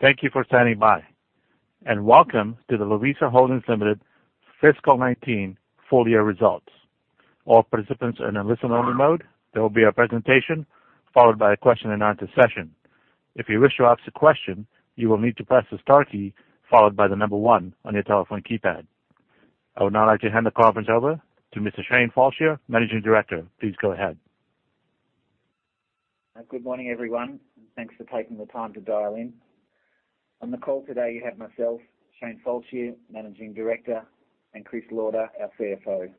Thank you for standing by, and welcome to the Lovisa Holdings Limited Fiscal 2019 Full Year Results. All participants are in a listen-only mode. There will be a presentation followed by a question and answer session. If you wish to ask a question, you will need to press the star key followed by the number 1 on your telephone keypad. I would now like to hand the conference over to Mr. Shane Fallscheer, Managing Director. Please go ahead. Good morning, everyone, and thanks for taking the time to dial in. On the call today you have myself, Shane Fallscheer, Managing Director, and Chris Lauder, our CFO.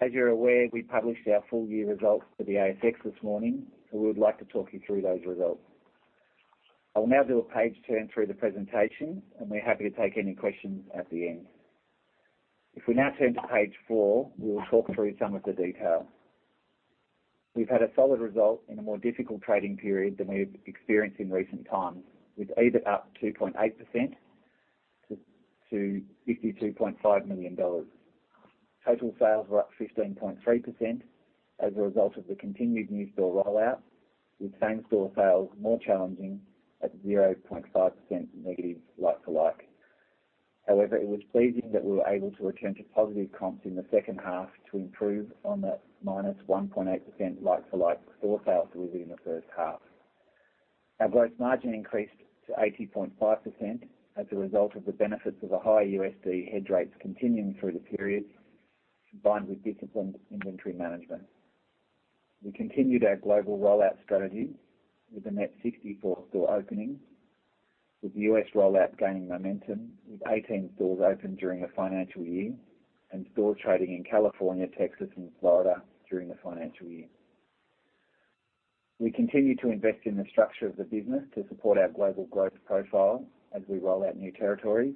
As you're aware, we published our full year results for the ASX this morning, and we would like to talk you through those results. I will now do a page turn through the presentation, and we're happy to take any questions at the end. If we now turn to page four, we will talk through some of the detail. We've had a solid result in a more difficult trading period than we've experienced in recent times, with EBIT up 2.8% to 52.5 million dollars. Total sales were up 15.3% as a result of the continued new store rollout, with same-store sales more challenging at 0.5% negative like-for-like. It was pleasing that we were able to return to positive comps in the second half to improve on the -1.8% like-for-like store sales we did in the first half. Our gross margin increased to 80.5% as a result of the benefits of the higher USD hedge rates continuing through the period, combined with disciplined inventory management. We continued our global rollout strategy with a net 64 store openings, with U.S. rollout gaining momentum, with 18 stores opened during the financial year and stores trading in California, Texas, and Florida during the financial year. We continue to invest in the structure of the business to support our global growth profile as we roll out new territories,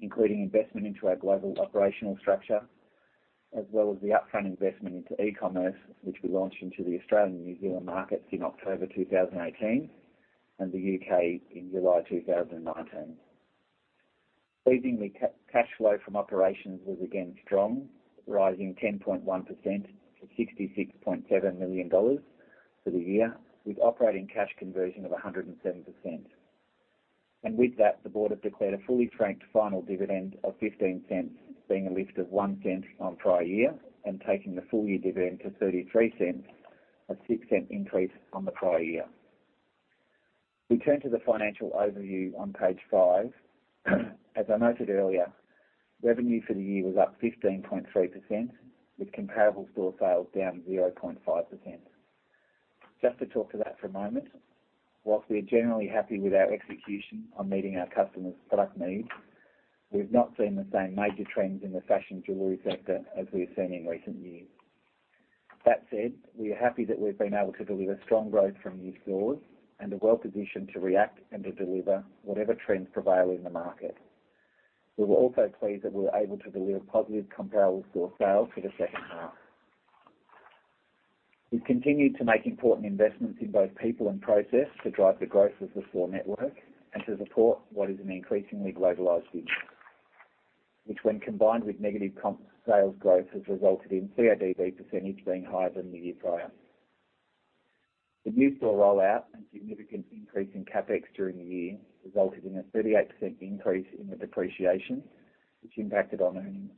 including investment into our global operational structure, as well as the upfront investment into e-commerce, which we launched into the Australian and New Zealand markets in October 2018 and the UK in July 2019. Pleasingly, cash flow from operations was again strong, rising 10.1% to 66.7 million dollars for the year, with operating cash conversion of 107%. With that, the board have declared a fully franked final dividend of 0.15, being a lift of 0.01 on prior year and taking the full-year dividend to 0.33, a 0.06 increase on the prior year. We turn to the financial overview on page five. As I noted earlier, revenue for the year was up 15.3%, with comparable store sales down 0.5%. Just to talk to that for a moment. Whilst we're generally happy with our execution on meeting our customers' product needs, we've not seen the same major trends in the fashion jewelry sector as we have seen in recent years. That said, we are happy that we've been able to deliver strong growth from new stores and are well-positioned to react and to deliver whatever trends prevail in the market. We were also pleased that we were able to deliver positive comparable store sales for the second half. We've continued to make important investments in both people and process to drive the growth of the store network and to support what is an increasingly globalized business, which when combined with negative comp sales growth, has resulted in CODB % being higher than the year prior. The new store rollout and significant increase in CapEx during the year resulted in a 38% increase in the depreciation, which impacted on earnings,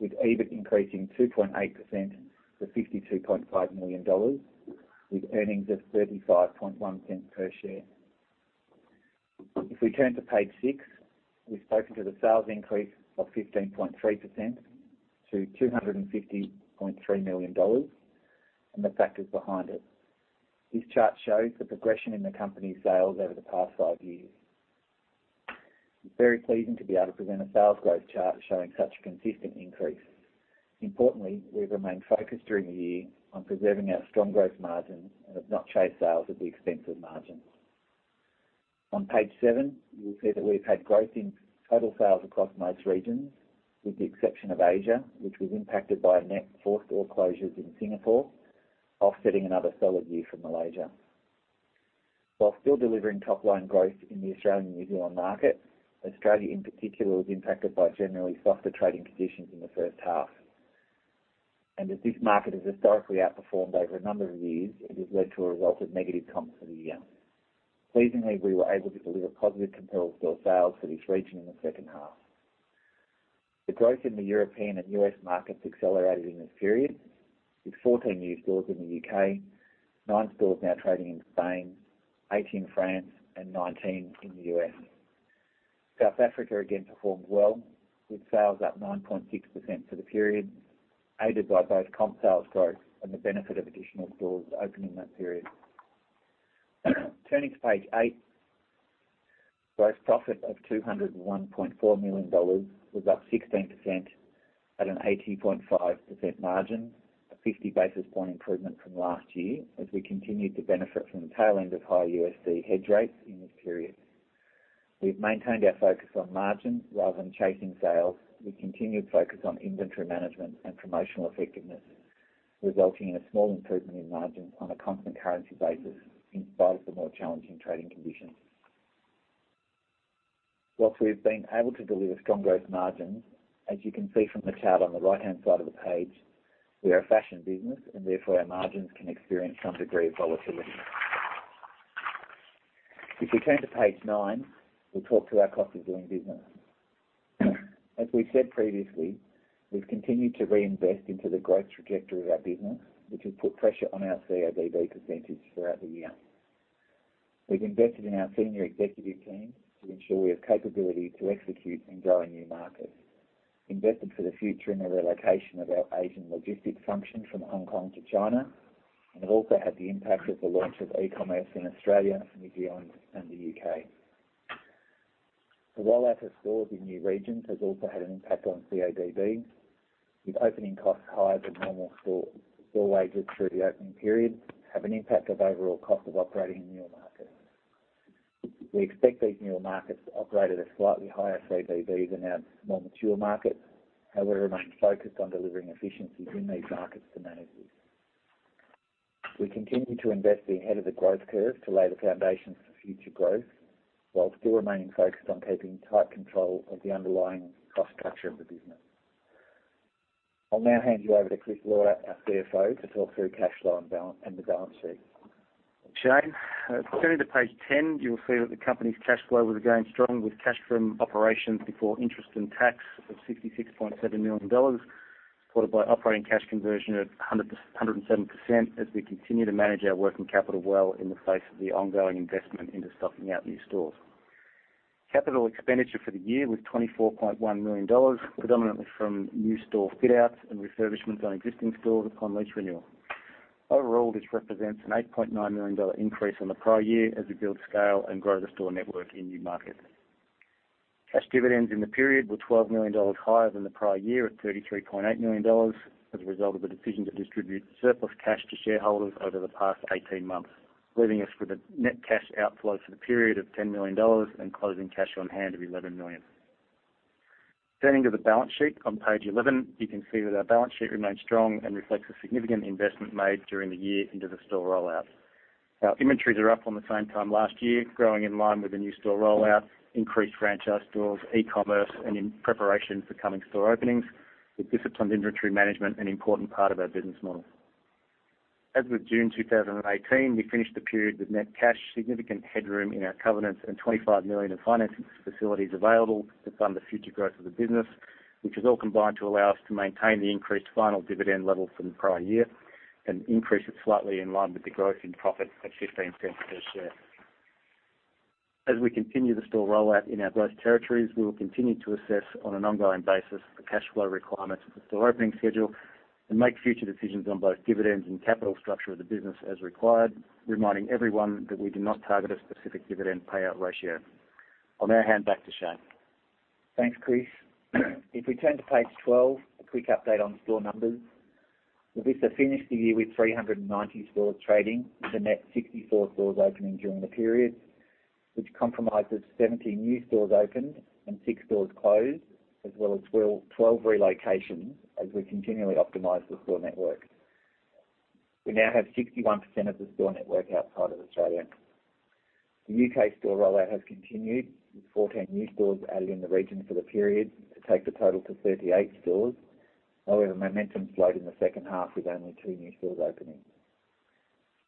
with EBIT increasing 2.8% to 52.5 million dollars, with earnings of 0.351 per share. If we turn to page six, we've spoken to the sales increase of 15.3% to 250.3 million dollars and the factors behind it. This chart shows the progression in the company's sales over the past five years. It's very pleasing to be able to present a sales growth chart showing such a consistent increase. Importantly, we've remained focused during the year on preserving our strong growth margins and have not chased sales at the expense of margins. On page seven, you will see that we've had growth in total sales across most regions with the exception of Asia, which was impacted by net four store closures in Singapore, offsetting another solid year for Malaysia. While still delivering top-line growth in the Australian and New Zealand market, Australia in particular was impacted by generally softer trading conditions in the first half. As this market has historically outperformed over a number of years, it has led to a result of negative comps for the year. Pleasingly, we were able to deliver positive comparable store sales for this region in the second half. The growth in the European and U.S. markets accelerated in this period, with 14 new stores in the U.K., nine stores now trading in Spain, 18 in France, and 19 in the U.S. South Africa again performed well, with sales up 9.6% for the period, aided by both comp sales growth and the benefit of additional stores opening in that period. Turning to page eight, gross profit of 201.4 million dollars was up 16% at an 80.5% margin, a 50-basis-point improvement from last year as we continued to benefit from the tail end of higher USD hedge rates in this period. We've maintained our focus on margins rather than chasing sales. We continued focus on inventory management and promotional effectiveness, resulting in a small improvement in margins on a constant currency basis in spite of the more challenging trading conditions. While we've been able to deliver strong growth margins, as you can see from the chart on the right-hand side of the page, we are a fashion business, and therefore our margins can experience some degree of volatility. If we turn to page nine, we'll talk to our cost of doing business. As we've said previously, we've continued to reinvest into the growth trajectory of our business, which has put pressure on our CODB percentage throughout the year. We've invested in our senior executive team to ensure we have capability to execute and grow in new markets. Invested for the future in the relocation of our Asian logistics function from Hong Kong to China, and have also had the impact of the launch of e-commerce in Australia, New Zealand, and the U.K. The rollout of stores in new regions has also had an impact on CODB, with opening costs higher than normal store wages through the opening period have an impact of overall cost of operating in newer markets. We expect these newer markets to operate at a slightly higher CODB than our more mature markets. Remain focused on delivering efficiencies in these markets to manage this. We continue to invest ahead of the growth curve to lay the foundations for future growth while still remaining focused on keeping tight control of the underlying cost structure of the business. I'll now hand you over to Chris Lauder, our CFO, to talk through cash flow and the balance sheet. Shane. Turning to page 10, you will see that the company's cash flow was again strong, with cash from operations before interest and tax of AUD 66.7 million, supported by operating cash conversion at 107% as we continue to manage our working capital well in the face of the ongoing investment into fitting out new stores. Capital expenditure for the year was 24.1 million dollars, predominantly from new store fit-outs and refurbishments on existing stores upon lease renewal. Overall, this represents an 8.9 million dollar increase on the prior year as we build scale and grow the store network in new markets. Cash dividends in the period were 12 million dollars higher than the prior year at 33.8 million dollars as a result of a decision to distribute surplus cash to shareholders over the past 18 months, leaving us with a net cash outflow for the period of 10 million dollars and closing cash on hand of 11 million. Turning to the balance sheet on page 11, you can see that our balance sheet remains strong and reflects the significant investment made during the year into the store rollout. Our inventories are up from the same time last year, growing in line with the new store rollout, increased franchise stores, e-commerce, and in preparation for coming store openings with disciplined inventory management an important part of our business model. As with June 2018, we finished the period with net cash, significant headroom in our covenants, and 25 million of financing facilities available to fund the future growth of the business, which has all combined to allow us to maintain the increased final dividend level from the prior year and increase it slightly in line with the growth in profit at 0.15 per share. As we continue the store rollout in our growth territories, we will continue to assess on an ongoing basis the cash flow requirements of the store opening schedule and make future decisions on both dividends and capital structure of the business as required, reminding everyone that we do not target a specific dividend payout ratio. I'll now hand back to Shane. Thanks, Chris. If we turn to page 12, a quick update on store numbers. Lovisa finished the year with 390 stores trading, with a net 64 stores opening during the period, which compromises 17 new stores opened and six stores closed, as well as 12 relocations as we continually optimize the store network. We now have 61% of the store network outside of Australia. The U.K. store rollout has continued, with 14 new stores added in the region for the period to take the total to 38 stores. However, momentum slowed in the second half, with only two new stores opening.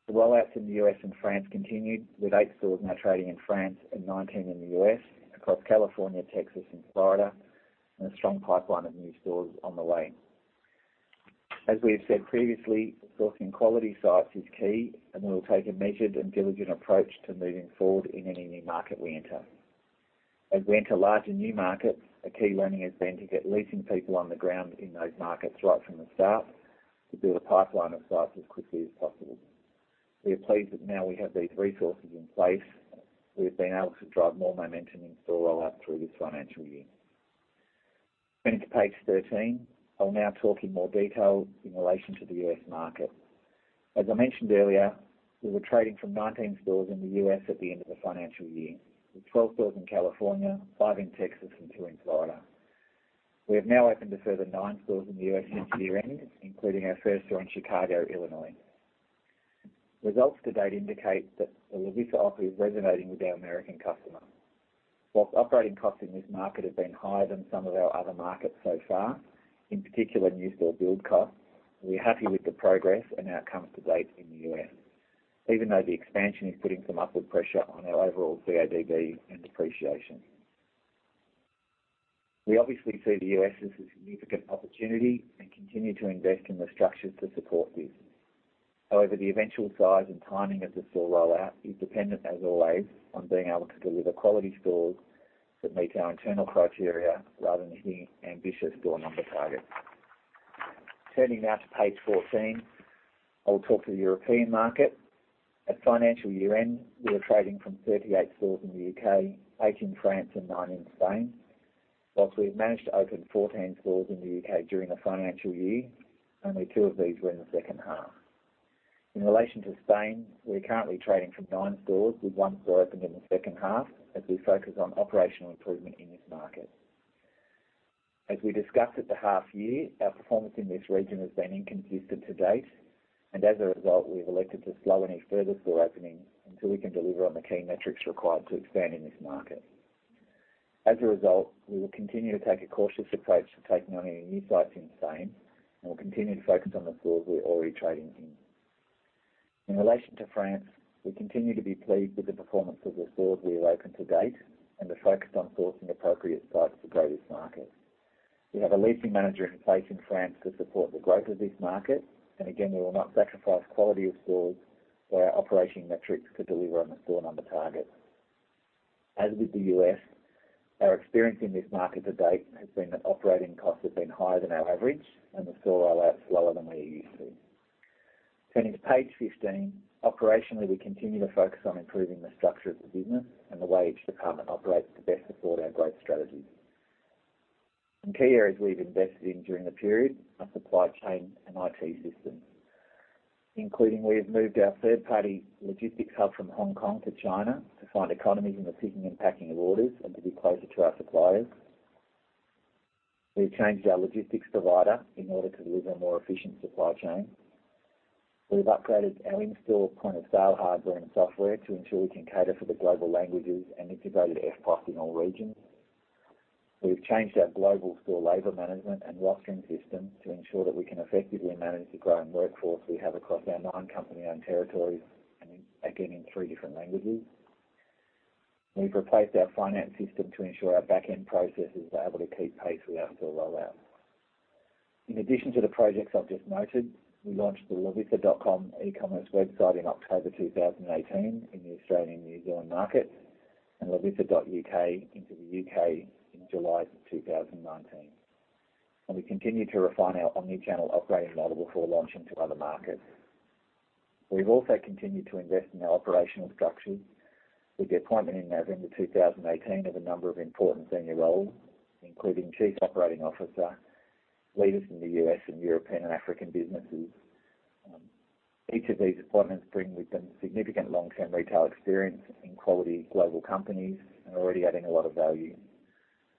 The rollouts in the U.S. and France continued, with eight stores now trading in France and 19 in the U.S. across California, Texas, and Florida, and a strong pipeline of new stores on the way. As we have said previously, sourcing quality sites is key, and we will take a measured and diligent approach to moving forward in any new market we enter. As we enter larger new markets, a key learning has been to get leasing people on the ground in those markets right from the start to build a pipeline of sites as quickly as possible. We are pleased that now we have these resources in place, we have been able to drive more momentum in store rollout through this financial year. Turning to page 13, I will now talk in more detail in relation to the U.S. market. As I mentioned earlier, we were trading from 19 stores in the U.S. at the end of the financial year, with 12 stores in California, five in Texas, and two in Florida. We have now opened a further nine stores in the U.S. since year-end, including our first store in Chicago, Illinois. Results to date indicate that the Lovisa offer is resonating with our American customer. Operating costs in this market have been higher than some of our other markets so far, in particular new store build costs, we are happy with the progress and outcomes to date in the U.S., even though the expansion is putting some upward pressure on our overall CODB and depreciation. We obviously see the U.S. as a significant opportunity and continue to invest in the structures to support this. The eventual size and timing of the store rollout is dependent, as always, on being able to deliver quality stores that meet our internal criteria rather than hitting ambitious store number targets. Turning now to page 14, I will talk to the European market. At financial year-end, we were trading from 38 stores in the U.K., eight in France, and nine in Spain. Whilst we have managed to open 14 stores in the U.K. during the financial year, only two of these were in the second half. In relation to Spain, we are currently trading from nine stores, with one store opened in the second half as we focus on operational improvement in this market. As we discussed at the half year, our performance in this region has been inconsistent to date, and as a result, we have elected to slow any further store opening until we can deliver on the key metrics required to expand in this market. As a result, we will continue to take a cautious approach to taking on any new sites in Spain, and we'll continue to focus on the stores we're already trading in. In relation to France, we continue to be pleased with the performance of the stores we opened to date and are focused on sourcing appropriate sites for growth market. We have a leasing manager in place in France to support the growth of this market. Again, we will not sacrifice quality of stores or our operating metrics to deliver on the store number target. As with the U.S., our experience in this market to date has been that operating costs have been higher than our average and the store roll-outs slower than we are used to. Turning to page 15. Operationally, we continue to focus on improving the structure of the business and the way each department operates to best support our growth strategies. Some key areas we've invested in during the period are supply chain and IT systems, including we have moved our third-party logistics hub from Hong Kong to China to find economies in the picking and packing of orders and to be closer to our suppliers. We've changed our logistics provider in order to deliver a more efficient supply chain. We've upgraded our in-store point-of-sale hardware and software to ensure we can cater for the global languages and integrated EPOS in all regions. We've changed our global store labor management and rostering system to ensure that we can effectively manage the growing workforce we have across our 9 company-owned territories and again in 3 different languages. We've replaced our finance system to ensure our back-end processes are able to keep pace with our store rollout. In addition to the projects I've just noted, we launched the lovisa.com e-commerce website in October 2018 in the Australian New Zealand market and lovisa.co.uk into the U.K. in July of 2019. We continue to refine our omni-channel operating model before launching to other markets. We've also continued to invest in our operational structure with the appointment in November 2018 of a number of important senior roles, including Chief Operating Officer, leaders in the U.S. and European and African businesses. Each of these appointments bring with them significant long-term retail experience in quality global companies and are already adding a lot of value.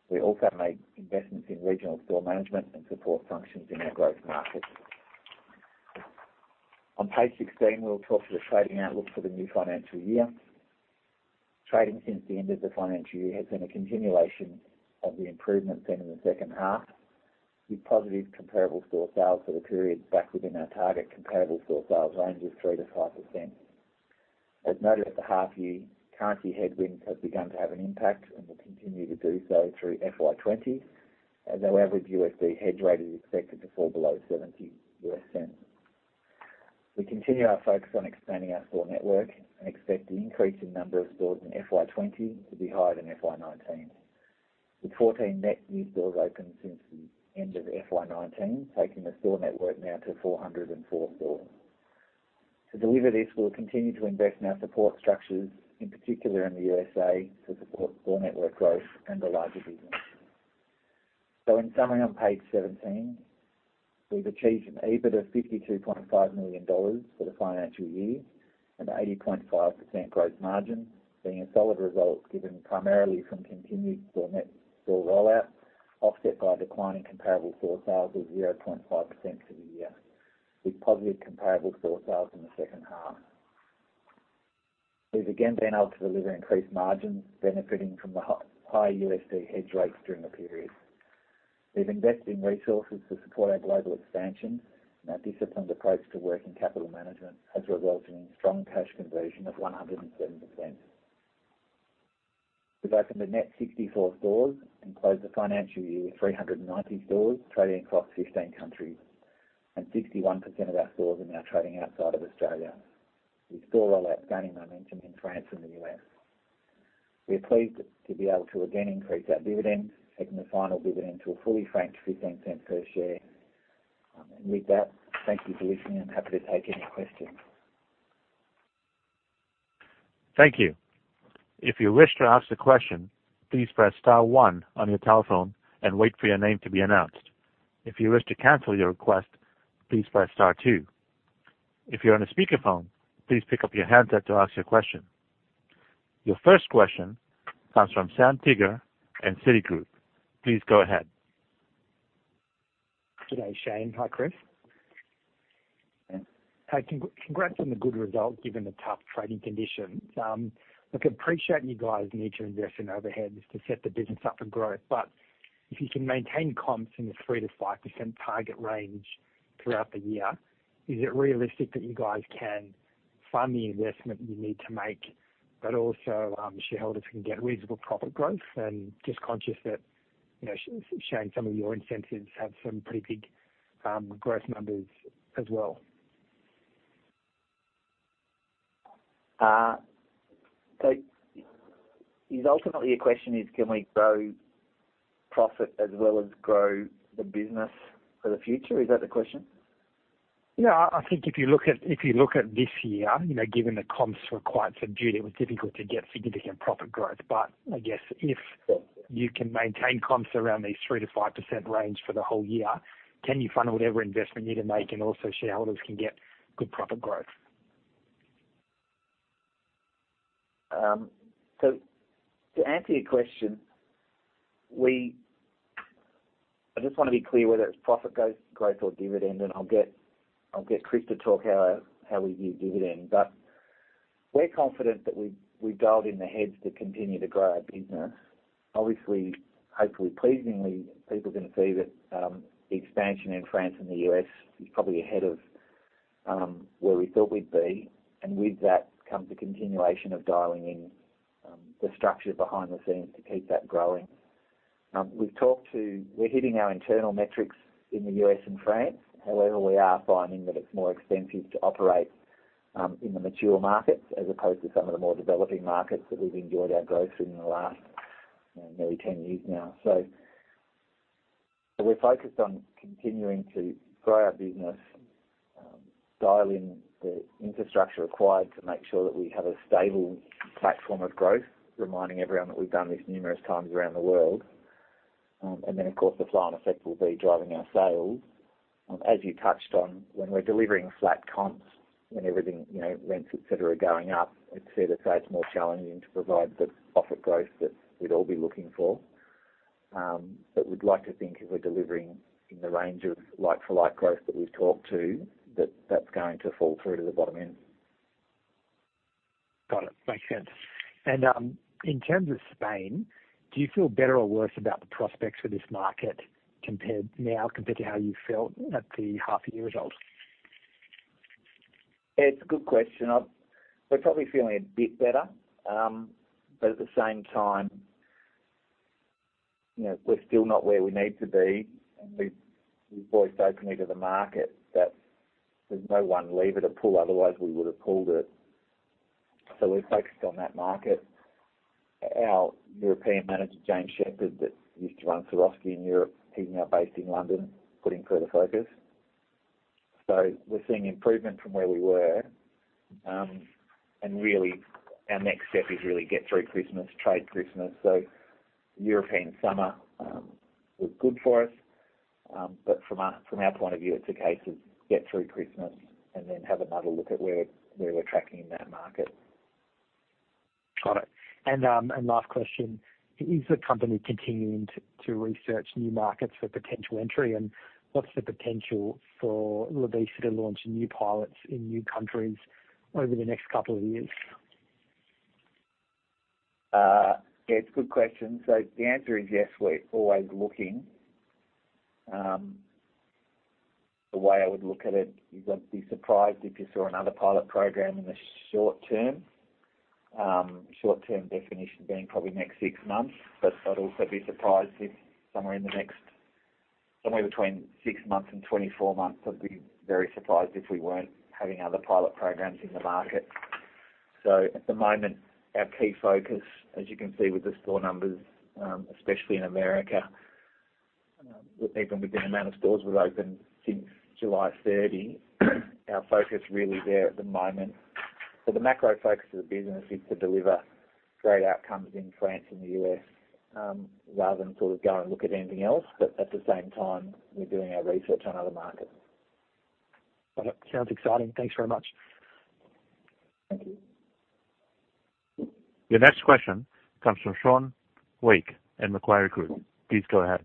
We also made investments in regional store management and support functions in our growth markets. On page 16, we'll talk to the trading outlook for the new financial year. Trading since the end of the financial year has been a continuation of the improvement seen in the second half, with positive comparable store sales for the period back within our target comparable store sales range of 3%-5%. As noted at the half year, currency headwinds have begun to have an impact and will continue to do so through FY20, as our average USD hedge rate is expected to fall below $0.70. We continue our focus on expanding our store network and expect the increase in number of stores in FY20 to be higher than FY19, with 14 net new stores open since the end of FY19, taking the store network now to 404 stores. To deliver this, we'll continue to invest in our support structures, in particular in the U.S.A. to support store network growth and the larger business. In summary on page 17, we've achieved an EBIT of 52.5 million dollars for the financial year and 80.5% growth margin, being a solid result given primarily from continued store net store rollout, offset by a decline in comparable store sales of 0.5% for the year, with positive comparable store sales in the second half. We've again been able to deliver increased margins benefiting from the higher USD hedge rates during the period. We've invested in resources to support our global expansion and our disciplined approach to working capital management has resulted in strong cash conversion of 107%. We've opened a net 64 stores and closed the financial year with 390 stores trading across 15 countries and 61% of our stores are now trading outside of Australia, with store rollouts gaining momentum in France and the U.S. We are pleased to be able to again increase our dividend, taking the final dividend to a fully franked 0.15 per share. With that, thank you for listening and happy to take any questions. Thank you. If you wish to ask a question, please press star one on your telephone and wait for your name to be announced. If you wish to cancel your request, please press star two. If you're on a speakerphone, please pick up your handset to ask your question. Your first question comes from Sam Teeger in Citigroup. Please go ahead. Good day, Shane. Hi, Chris. Yeah. Hey, congrats on the good result, given the tough trading conditions. Appreciate you guys need to invest in overheads to set the business up for growth, but if you can maintain comps in the 3%-5% target range throughout the year, is it realistic that you guys can fund the investment you need to make, but also shareholders can get reasonable profit growth? Just conscious that Shane Fallscheer, some of your incentives have some pretty big growth numbers as well. Is ultimately your question is can we grow profit as well as grow the business for the future? Is that the question? Yeah. I think if you look at this year, given the comps were quite subdued, it was difficult to get significant profit growth. I guess if you can maintain comps around these 3%-5% range for the whole year, can you fund whatever investment you need to make and also shareholders can get good profit growth? To answer your question, I just want to be clear whether it's profit growth or dividends, and I'll get Chris to talk how we view dividends. We're confident that we've dialed in the heads to continue to grow our business. Obviously, hopefully, pleasingly, people are going to see that the expansion in France and the U.S. is probably ahead of where we thought we'd be, and with that comes the continuation of dialing in the structure behind the scenes to keep that growing. We're hitting our internal metrics in the U.S. and France. However, we are finding that it's more expensive to operate in the mature markets as opposed to some of the more developing markets that we've enjoyed our growth in the last nearly 10 years now. We're focused on continuing to grow our business, dial in the infrastructure required to make sure that we have a stable platform of growth, reminding everyone that we've done this numerous times around the world. Then, of course, the flow-on effect will be driving our sales. As you touched on, when we're delivering flat comps, when everything, rents, et cetera, are going up, it's fair to say it's more challenging to provide the profit growth that we'd all be looking for. We'd like to think if we're delivering in the range of like-for-like growth that we've talked to, that that's going to fall through to the bottom end. Got it. Makes sense. In terms of Spain, do you feel better or worse about the prospects for this market now compared to how you felt at the half year results? It's a good question. We're probably feeling a bit better. At the same time, we're still not where we need to be, and we've always opened me to the market that there's no one lever to pull, otherwise we would have pulled it. We're focused on that market. Our European manager, James Shepherd, that used to run Swarovski in Europe, is now based in London, putting further focus. We're seeing improvement from where we were. Really, our next step is really get through Christmas, trade Christmas. European summer was good for us. From our point of view, it's a case of get through Christmas and then have another look at where we're tracking in that market. Got it. Last question. Is the company continuing to research new markets for potential entry? What's the potential for Lovisa to launch new pilots in new countries over the next couple of years? Yeah, it's a good question. The answer is yes, we're always looking. The way I would look at it is I'd be surprised if you saw another pilot program in the short term. Short term definition being probably next 6 months, but I'd also be surprised if somewhere between 6 months and 24 months, I'd be very surprised if we weren't having other pilot programs in the market. At the moment, our key focus, as you can see with the store numbers, especially in America, with even with the amount of stores we've opened since July 30, our focus really there at the moment. The macro focus of the business is to deliver great outcomes in France and the U.S., rather than go and look at anything else. At the same time, we're doing our research on other markets. Got it. Sounds exciting. Thanks very much. Thank you. Your next question comes from Sean Week at Macquarie Group. Please go ahead.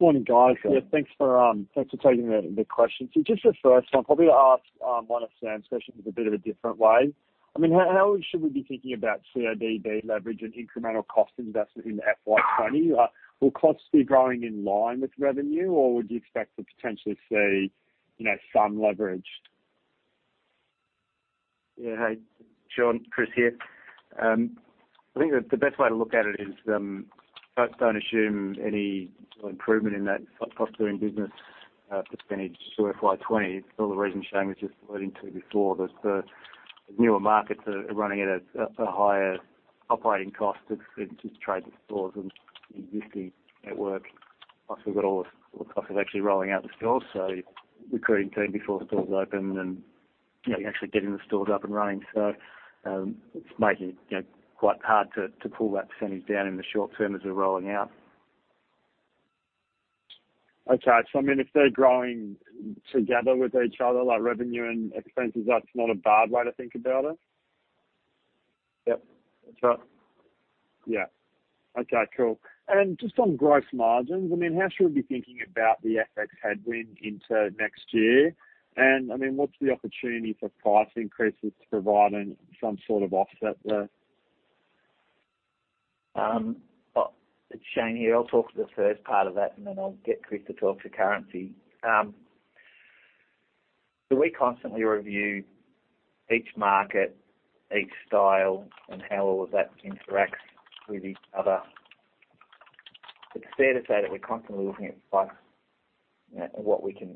Morning, guys. Yeah, thanks for taking the questions. Just the first one, probably ask one of Sam's questions a bit of a different way. How should we be thinking about CODB leverage and incremental cost investment in FY20? Will costs be growing in line with revenue, or would you expect to potentially see some leverage? Yeah. Hey, Sean. Chris here. I think the best way to look at it is, don't assume any improvement in that cost during business percentage for FY 2020. For the reasons Shane was just alluding to before, the newer markets are running at a higher operating cost of just trading stores and existing network. Plus, we've got all the cost of actually rolling out the stores, recruiting team before stores open and actually getting the stores up and running. It's making it quite hard to pull that percentage down in the short term as we're rolling out. If they're growing together with each other, like revenue and expenses, that's not a bad way to think about it? Yep. That's right. Yeah. Okay, cool. Just on gross margins, how should we be thinking about the FX headwind into next year? What's the opportunity for price increases providing some sort of offset there? It's Shane here. I'll talk to the first part of that, and then I'll get Chris to talk to currency. We constantly review each market, each style, and how all of that interacts with each other. It's fair to say that we're constantly looking at price and what we can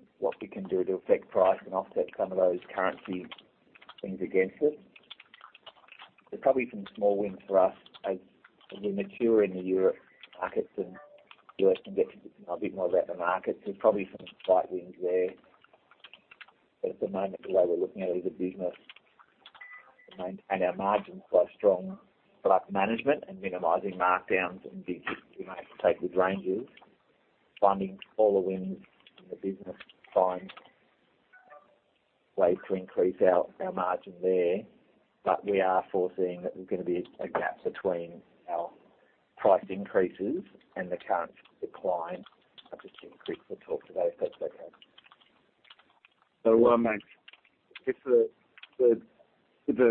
do to affect price and offset some of those currency things against it. There's probably some small wins for us as we mature in the Europe markets and U.S. and get to know a bit more about the markets. There's probably some slight wins there. At the moment, the way we're looking at it as a business, maintain our margins by strong product management and minimizing markdowns and being disciplined how you take with ranges. Funding all the wins in the business, find ways to increase our margin there. We are foreseeing that there's going to be a gap between our price increases and the currency decline. I'll just get Chris to talk to that, if that's okay. Look, mate,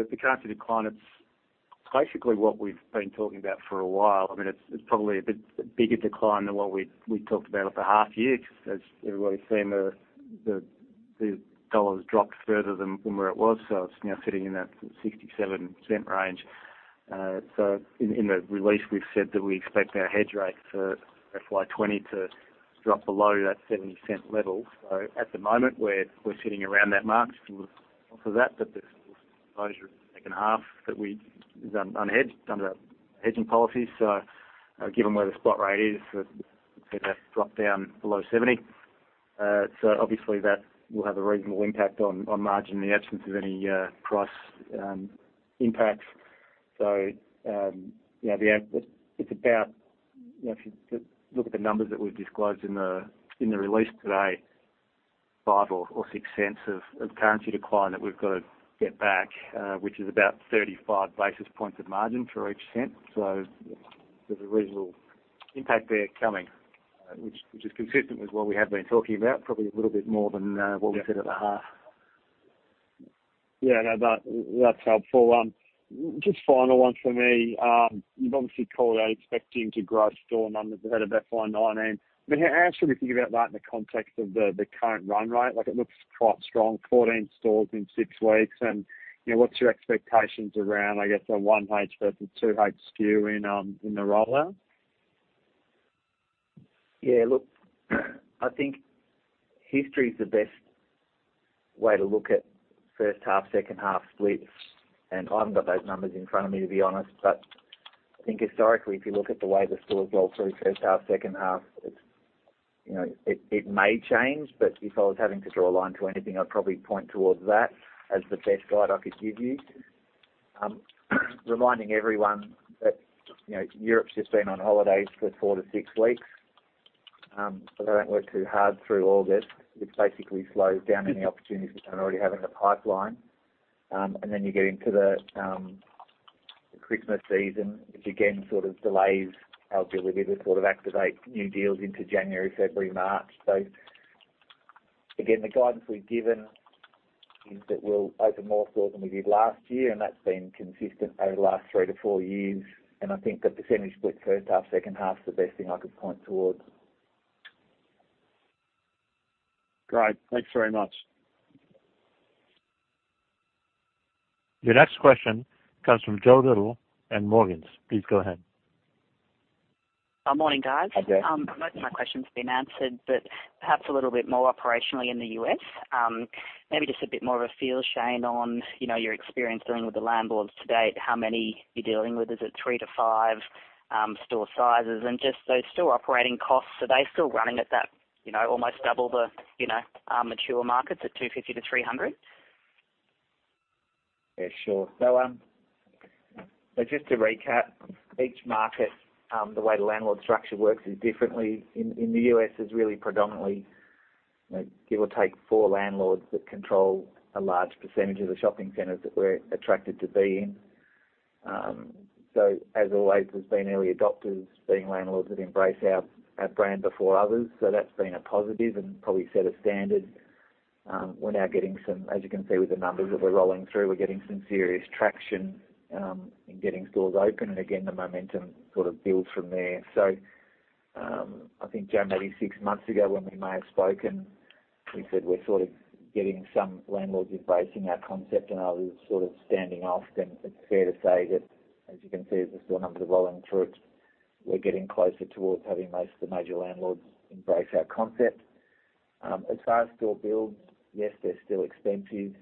the currency decline, it's basically what we've been talking about for a while. It's probably a bit bigger decline than what we talked about at the half year, because as everybody's seen, the dollar's dropped further than from where it was. It's now sitting in that 0.67 range. In the release, we've said that we expect our hedge rate for FY20 to drop below that 0.70 level. At the moment, we're sitting around that mark of that, but the exposure of the second half that we've done unhedged under our hedging policies. Given where the spot rate is, we've seen that drop down below 0.70. Obviously that will have a reasonable impact on margin in the absence of any price impacts. If you look at the numbers that we've disclosed in the release today, 0.05 or 0.06 of currency decline that we've got to get back, which is about 35 basis points of margin for each AUD 0.01. There's a reasonable impact there coming, which is consistent with what we have been talking about, probably a little bit more than what we said at the half. Yeah, no, that's helpful. Just final one for me. You've obviously called out expecting to grow store numbers ahead of FY19. How should we think about that in the context of the current run rate? It looks quite strong, 14 stores in six weeks. What's your expectations around, I guess, a 1H versus 2H SKU in the rollout? Look, I think history is the best way to look at first half, second half splits, and I haven't got those numbers in front of me, to be honest. I think historically, if you look at the way the stores roll through first half, second half, it may change, but if I was having to draw a line to anything, I'd probably point towards that as the best guide I could give you. Reminding everyone that Europe's just been on holidays for 4 to 6 weeks. They don't work too hard through August, which basically slows down any opportunities that they already have in the pipeline. Then you get into the Christmas season, which again sort of delays our ability to sort of activate new deals into January, February, March. Again, the guidance we've given is that we'll open more stores than we did last year, and that's been consistent over the last three to four years. I think the percentage split first half, second half is the best thing I could point towards. Great. Thanks very much. Your next question comes from Josephine Little at Morgans. Please go ahead. Morning, guys. Hi, Jo. Most of my question's been answered, perhaps a little bit more operationally in the U.S. Maybe just a bit more of a feel, Shane, on your experience dealing with the landlords to date. How many you're dealing with? Is it three to five store sizes? Just those store operating costs, are they still running at that almost double the mature markets at 250 to 300? Yeah, sure. Just to recap, each market, the way the landlord structure works is differently. In the U.S., it's really predominantly, give or take, four landlords that control a large percentage of the shopping centers that we're attracted to be in. As always, there's been early adopters, being landlords that embrace our brand before others. That's been a positive and probably set a standard. We're now getting, as you can see with the numbers that we're rolling through, we're getting some serious traction in getting stores open, and again, the momentum sort of builds from there. I think, Jo, maybe six months ago when we may have spoken, we said we're sort of getting some landlords embracing our concept and others sort of standing off. It's fair to say that, as you can see with the store numbers rolling through, we're getting closer towards having most of the major landlords embrace our concept. As far as store builds, yes, they're still expensive.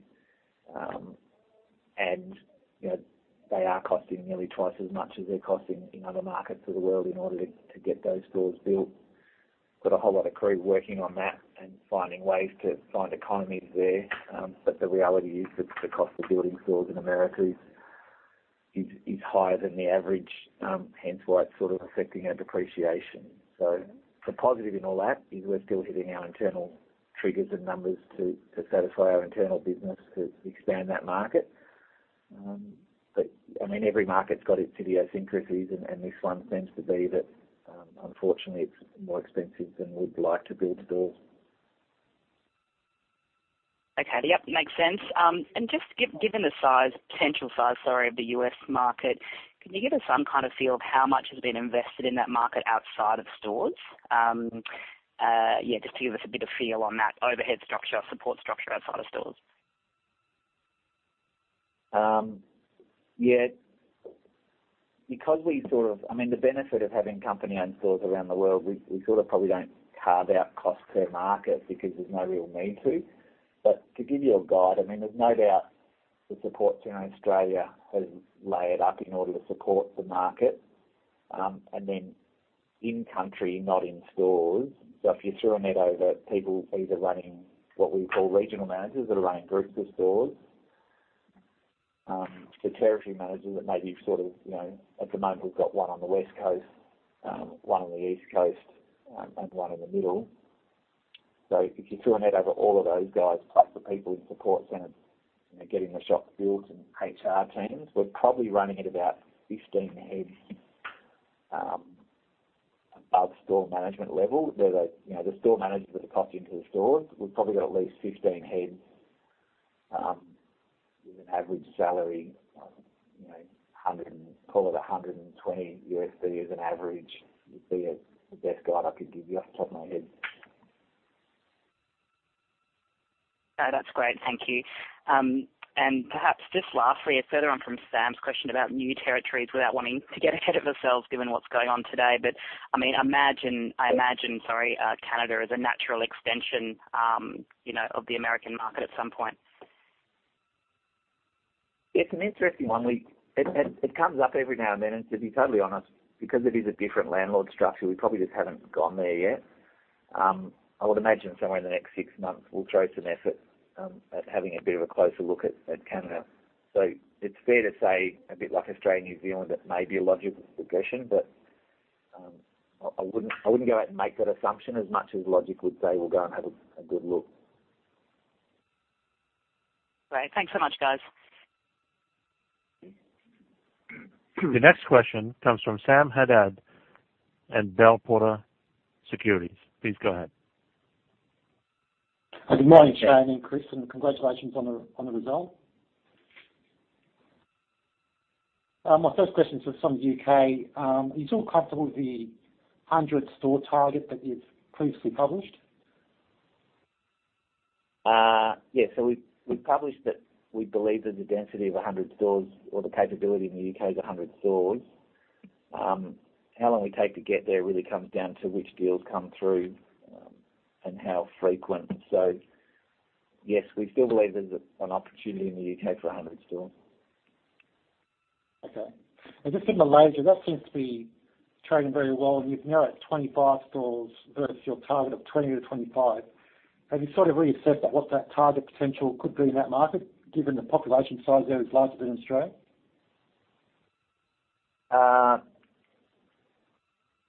They are costing nearly twice as much as they're costing in other markets of the world in order to get those stores built. Got a whole lot of crew working on that and finding ways to find economies there. The reality is, that the cost of building stores in America is higher than the average, hence why it's sort of affecting our depreciation. The positive in all that is we're still hitting our internal triggers and numbers to satisfy our internal business to expand that market. Every market's got its idiosyncrasies, and this one seems to be that, unfortunately, it's more expensive than we'd like to build stores. Okay. Yep, makes sense. Just given the potential size of the U.S. market, can you give us some kind of feel of how much has been invested in that market outside of stores? Just to give us a bit of feel on that overhead structure or support structure outside of stores. Yeah. The benefit of having company-owned stores around the world, we sort of probably don't carve out cost per market because there's no real need to. To give you a guide, there's no doubt the support team in Australia has layered up in order to support the market, and then in country, not in stores. If you threw a net over people either running what we call regional managers that are running groups of stores, the territory managers that maybe sort of, at the moment, we've got one on the West Coast, one on the East Coast, and one in the middle. If you threw a net over all of those guys, plus the people in support centers getting the shop built and HR teams, we're probably running at about 15 heads above store management level. The store managers that are copped into the stores, we've probably got at least 15 heads with an average salary, call it $120 as an average, would be the best guide I could give you off the top of my head. No, that's great. Thank you. Perhaps just lastly, a further on from Sam's question about new territories without wanting to get ahead of ourselves given what's going on today. I imagine Canada is a natural extension of the American market at some point. It's an interesting one. It comes up every now and then, and to be totally honest, because it is a different landlord structure, we probably just haven't gone there yet. I would imagine somewhere in the next six months, we'll throw some effort at having a bit of a closer look at Canada. It's fair to say, a bit like Australia and New Zealand, it may be a logical progression, but I wouldn't go out and make that assumption as much as logic would say we'll go and have a good look. Great. Thanks so much, guys. The next question comes from Sam Haddad and Bell Potter Securities. Please go ahead. Good morning, Shane and Chris, and congratulations on the result. My first question is on the U.K. Are you still comfortable with the 100-store target that you've previously published? We've published that we believe that the density of 100 stores or the capability in the U.K. is 100 stores. How long we take to get there really comes down to which deals come through and how frequent. Yes, we still believe there's an opportunity in the U.K. for 100 stores. Okay. Just in Malaysia, that seems to be trading very well. You are now at 25 stores versus your target of 20-25. Have you sort of reassessed what that target potential could be in that market, given the population size there is larger than Australia?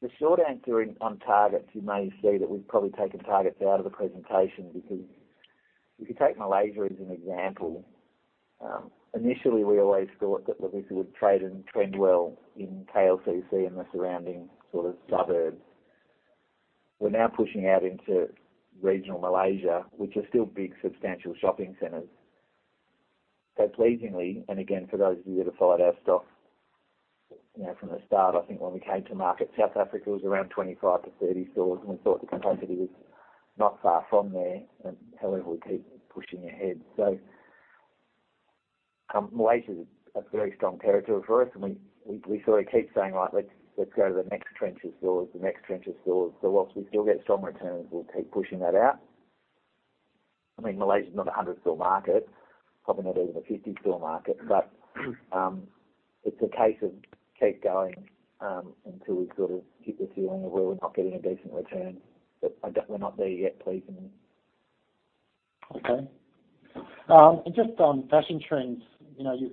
The short answer on targets, you may see that we've probably taken targets out of the presentation because if you take Malaysia as an example. Initially, we always thought that Lovisa would trade and trend well in KLCC and the surrounding sort of suburbs. We're now pushing out into regional Malaysia, which are still big, substantial shopping centers. Pleasingly, and again, for those of you that followed our stock from the start, I think when we came to market, South Africa was around 25-30 stores, and we thought the capacity was not far from there. However, we keep pushing ahead. Malaysia is a very strong territory for us, and we sort of keep saying, like, Let's go to the next tranche of stores. Whilst we still get strong returns, we'll keep pushing that out. Malaysia is not a 100-store market, probably not even a 50-store market. It's a case of keep going until we sort of get the feeling of, well, we're not getting a decent return, but we're not there yet, pleasingly. Just on fashion trends, you've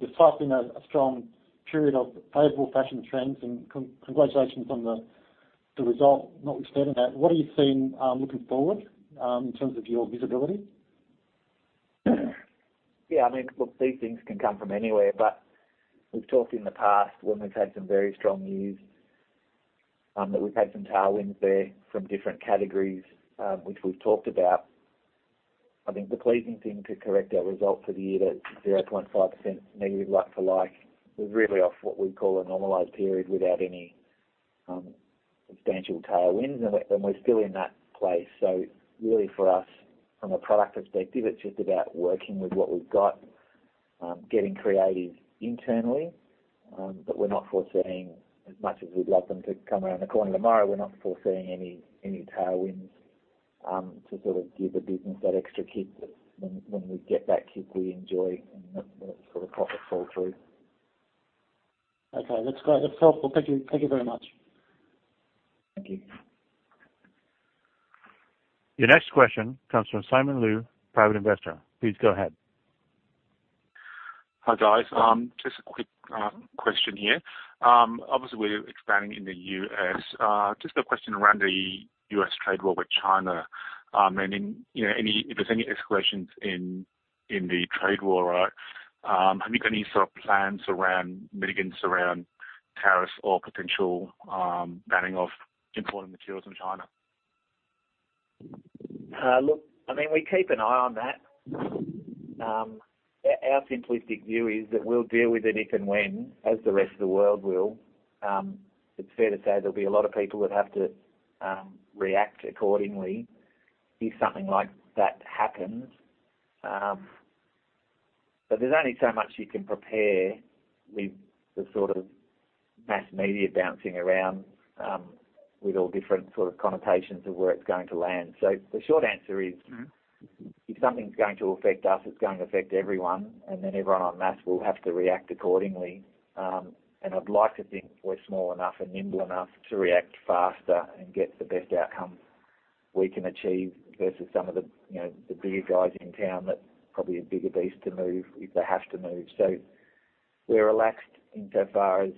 just had been a strong period of favorable fashion trends, and congratulations on the result, notwithstanding that. What are you seeing looking forward in terms of your visibility? These things can come from anywhere. We've talked in the past when we've had some very strong years that we've had some tailwinds there from different categories which we've talked about. I think the pleasing thing to correct our result for the year that 0.5% negative like-for-like was really off what we'd call a normalized period without any substantial tailwinds, and we're still in that place. Really for us, from a product perspective, it's just about working with what we've got, getting creative internally. We're not foreseeing as much as we'd love them to come around the corner tomorrow. We're not foreseeing any tailwinds to sort of give the business that extra kick that when we get that kick, we enjoy and that sort of profit fall through. Okay. That's great. That's helpful. Thank you very much. Thank you. Your next question comes from Simon Lu, private investor. Please go ahead. Hi, guys. Just a quick question here. Obviously, we're expanding in the U.S. Just a question around the U.S. trade war with China. If there's any escalations in the trade war, have you got any sort of plans around mitigants around tariffs or potential banning of importing materials from China? Look, we keep an eye on that. Our simplistic view is that we'll deal with it if and when, as the rest of the world will. It's fair to say there'll be a lot of people that have to react accordingly if something like that happens. There's only so much you can prepare with the sort of mass media bouncing around with all different sort of connotations of where it's going to land. The short answer is, if something's going to affect us, it's going to affect everyone, and then everyone en masse will have to react accordingly. I'd like to think we're small enough and nimble enough to react faster and get the best outcome we can achieve versus some of the bigger guys in town that probably a bigger beast to move if they have to move. We're relaxed in so far as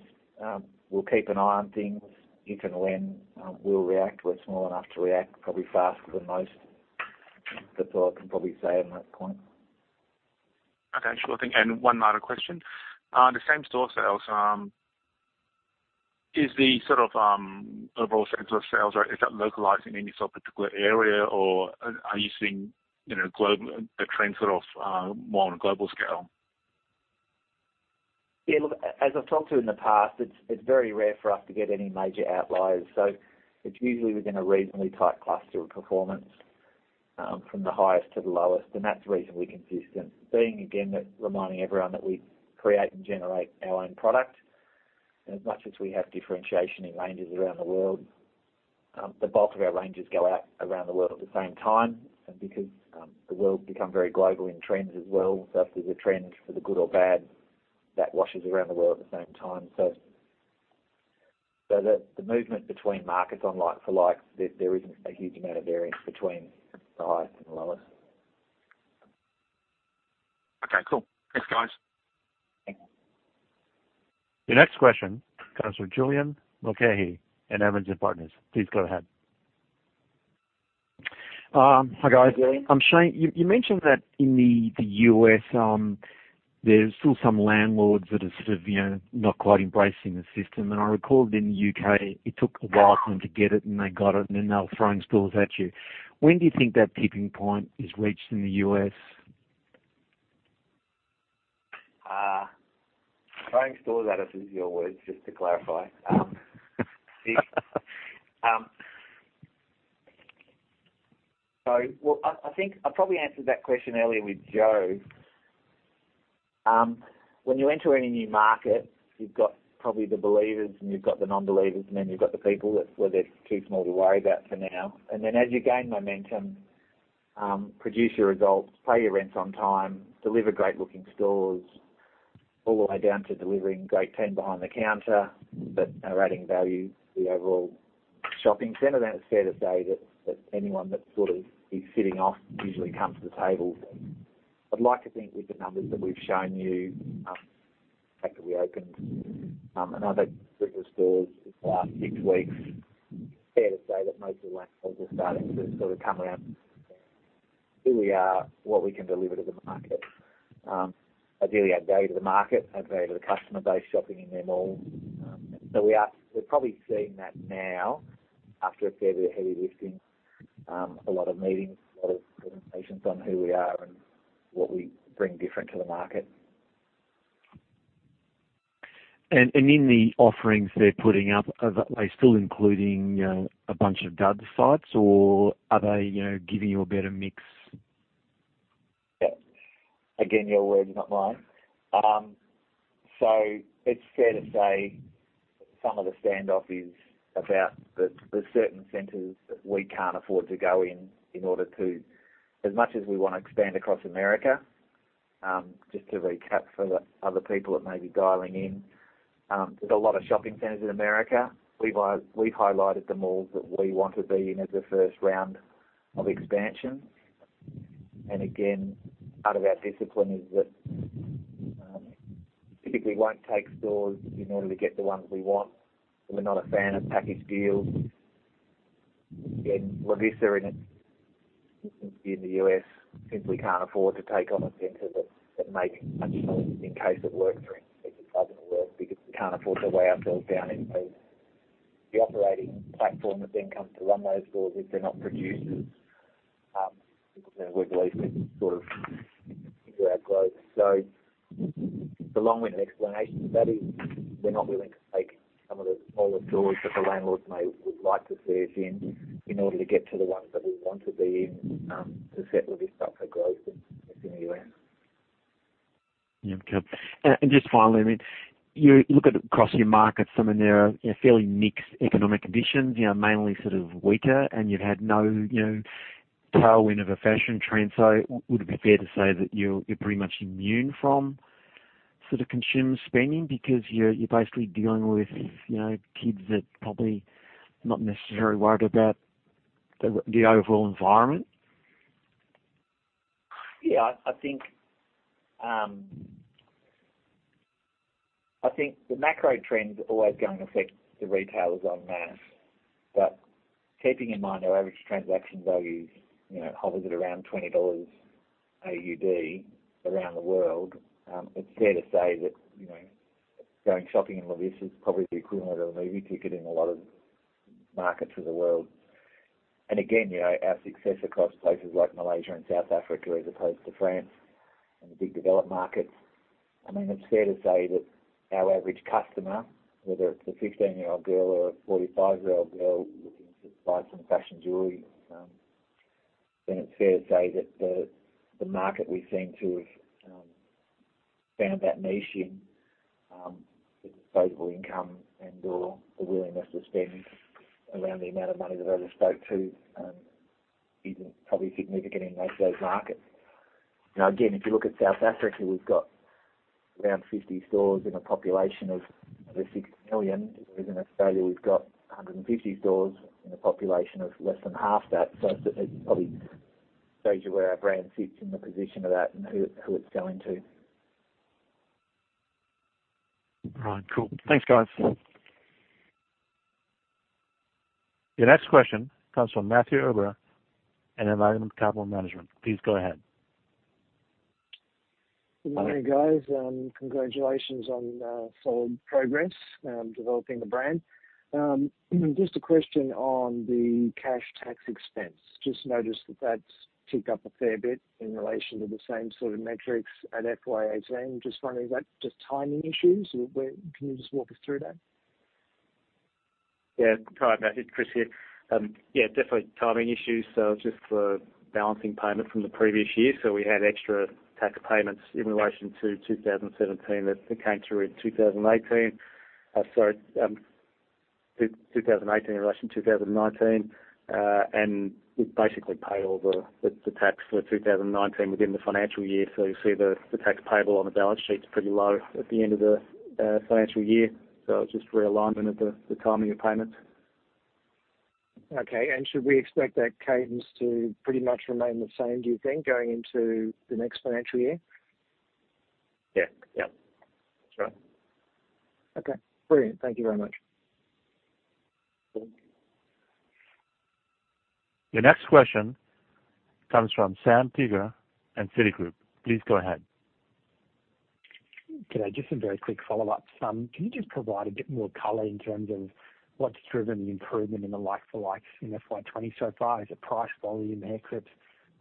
we'll keep an eye on things if and when we'll react. We're small enough to react probably faster than most. That's all I can probably say on that point. Okay. Sure thing. One other question. The same-store sales, is the overall same-store sales, is that localizing in any particular area, or are you seeing a trend more on a global scale? Look, as I've talked to in the past, it's very rare for us to get any major outliers. It's usually within a reasonably tight cluster of performance from the highest to the lowest, and that's reasonably consistent, being again, reminding everyone that we create and generate our own product. As much as we have differentiation in ranges around the world, the bulk of our ranges go out around the world at the same time. Because the world's become very global in trends as well, so if there's a trend for the good or bad, that washes around the world at the same time. The movement between markets on like-for-like, there isn't a huge amount of variance between the highest and the lowest. Okay, cool. Thanks, guys. Thanks. Your next question comes from Julian Mulcahy in Evans & Partners. Please go ahead. Hi, guys. Hi, Julian. Shane, you mentioned that in the U.S., there's still some landlords that are not quite embracing the system. I recall in the U.K., it took a while for them to get it, and they got it, and then they were throwing stores at you. When do you think that tipping point is reached in the U.S.? Throwing stores at us" is your words, just to clarify. I think I probably answered that question earlier with Joe. When you enter any new market, you've got probably the believers and you've got the non-believers, and then you've got the people that they're too small to worry about for now. As you gain momentum, produce your results, pay your rents on time, deliver great-looking stores all the way down to delivering great team behind the counter that are adding value to the overall shopping center, then it's fair to say that anyone that's sitting off usually comes to the table. I'd like to think with the numbers that we've shown you, the fact that we opened another group of stores in the last six weeks, it's fair to say that most of the landlords are starting to come around who we are, what we can deliver to the market. Ideally, add value to the market, add value to the customer base shopping in their mall. We're probably seeing that now after a fair bit of heavy lifting, a lot of meetings, a lot of presentations on who we are and what we bring different to the market. In the offerings they're putting up, are they still including a bunch of dud sites, or are they giving you a better mix? Again, your words, not mine. It's fair to say some of the standoff is about the certain centers that we can't afford to go in in order to, as much as we want to expand across the U.S. Just to recap for the other people that may be dialing in. There's a lot of shopping centers in the U.S. We've highlighted the malls that we want to be in as a first round of expansion. Again, part of our discipline is that typically won't take stores in order to get the ones we want. We're not a fan of package deals. Again, Lovisa in the U.S. simply can't afford to take on a center that make much money in case it works for him. If it doesn't work because we can't afford to weigh ourselves down in fees. The operating platform that then comes to run those stores, if they're not producers, we believe can hinder our growth. The long-winded explanation for that is we're not willing to take some of the smaller stores that the landlords may would like to see us in order to get to the ones that we want to be in to set Lovisa up for growth in the U.S. Yeah. Just finally, you look at across your markets, some in there are fairly mixed economic conditions, mainly weaker, and you've had no tailwind of a fashion trend. Would it be fair to say that you're pretty much immune from consumer spending because you're basically dealing with kids that probably not necessarily worried about the overall environment? Yeah, I think the macro trends are always going to affect the retailers en masse. Keeping in mind our average transaction values hovers at around 20 AUD around the world, it's fair to say that going shopping in Lovisa is probably the equivalent of a movie ticket in a lot of markets of the world. Again, our success across places like Malaysia and South Africa as opposed to France and the big developed markets. It's fair to say that our average customer, whether it's a 15-year-old girl or a 45-year-old girl looking to buy some fashion jewelry, then it's fair to say that the market we seem to have found that niche in the disposable income and/or the willingness to spend around the amount of money that I just spoke to isn't probably significant in most of those markets. Again, if you look at South Africa, we've got around 50 stores in a population of over 6 million. Whereas in Australia, we've got 150 stores in a population of less than half that. It probably shows you where our brand sits in the position of that and who it's going to. Right. Cool. Thanks, guys. Your next question comes from Matthew Obera at Environment Capital Management. Please go ahead. Good morning, Guys. Congratulations on solid progress developing the brand. Just a question on the cash tax expense. Just noticed that that's ticked up a fair bit in relation to the same sort of metrics at FY18. Just wondering, is that just timing issues? Can you just walk us through that? Yeah. All right, Matthew. Chris here. Yeah, definitely timing issues. Just for balancing payment from the previous year. We had extra tax payments in relation to 2017 that came through in 2018. Sorry, 2018 in relation to 2019. We've basically paid all the tax for 2019 within the financial year. You'll see the tax payable on the balance sheet's pretty low at the end of the financial year. It's just realignment of the timing of payments. Okay. Should we expect that cadence to pretty much remain the same, do you think, going into the next financial year? Yeah. Okay, brilliant. Thank you very much. Your next question comes from Sam Teeger at Citigroup. Please go ahead. Good day. Just some very quick follow-ups. Can you just provide a bit more color in terms of what's driven the improvement in the like-for-like in FY 2020 so far? Is it price volume haircuts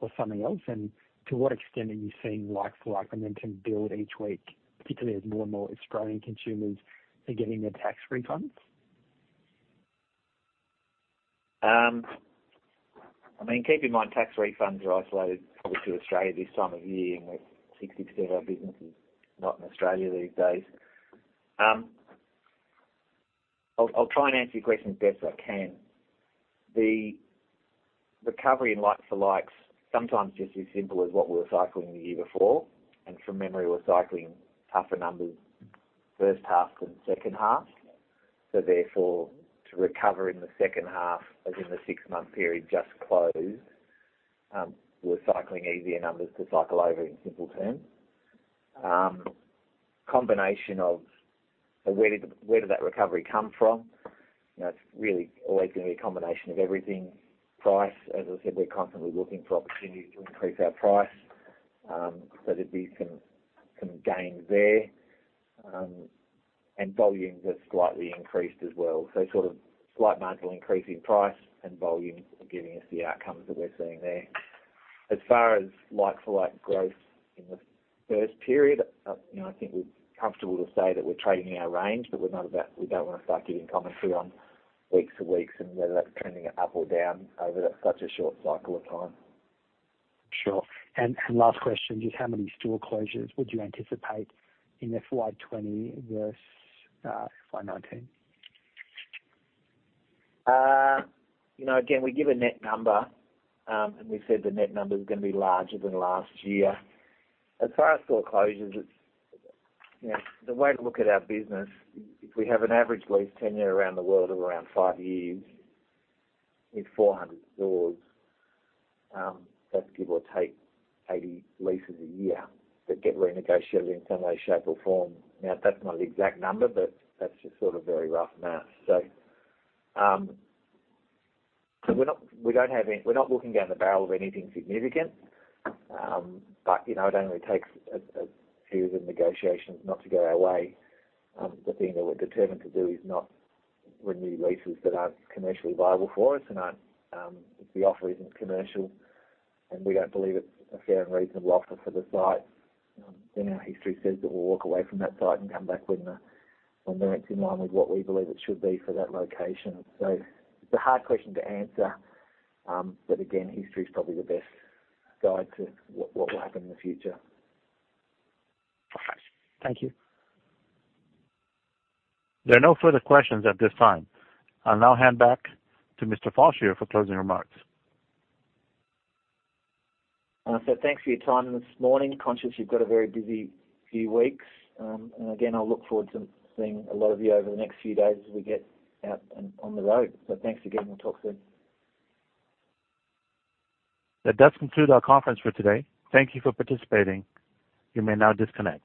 or something else? To what extent are you seeing like-for-like momentum build each week, particularly as more and more Australian consumers are getting their tax refunds? Keep in mind, tax refunds are isolated probably to Australia this time of year, and with 60% of our business is not in Australia these days. I'll try and answer your questions best I can. The recovery in like-for-like sometimes just as simple as what we were cycling the year before. From memory, we're cycling tougher numbers first half than second half. Therefore, to recover in the second half, as in the 6-month period just closed, we're cycling easier numbers to cycle over in simple terms. Combination of where did that recovery come from? It's really always going to be a combination of everything. Price, as I said, we're constantly looking for opportunities to increase our price. There'd be some gains there. Volumes have slightly increased as well. Slight marginal increase in price and volume are giving us the outcomes that we're seeing there. As far as like-for-like growth in the first period, I think we're comfortable to say that we're trading in our range, but we don't want to start giving commentary on week to weeks and whether that's trending up or down over such a short cycle of time. Sure. Last question, just how many store closures would you anticipate in FY 2020 versus FY 2019? We give a net number. We've said the net number is going to be larger than last year. As far as store closures, the way to look at our business, if we have an average lease tenure around the world of around five years with 400 stores, that's give or take 80 leases a year that get renegotiated in some way, shape, or form. That's not an exact number. That's just very rough math. We're not looking down the barrel of anything significant. It only takes a few of the negotiations not to go our way. The thing that we're determined to do is not renew leases that aren't commercially viable for us and if the offer isn't commercial and we don't believe it's a fair and reasonable offer for the site, then our history says that we'll walk away from that site and come back when the rents in line with what we believe it should be for that location. It's a hard question to answer, but again, history is probably the best guide to what will happen in the future. Okay. Thank you. There are no further questions at this time. I'll now hand back to Mr. Fallscheer for closing remarks. Thanks for your time this morning. Conscious you've got a very busy few weeks. Again, I'll look forward to seeing a lot of you over the next few days as we get out and on the road. Thanks again, and talk soon. That does conclude our conference for today. Thank you for participating. You may now disconnect.